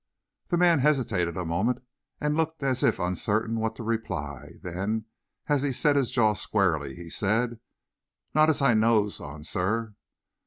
The man hesitated a moment, and looked as if uncertain what to reply, then, as he set his jaw squarely, he said: "Not as I knows on, sir."